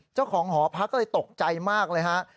เจ้าของหอพักก็เลยตกใจมากเลยฮะ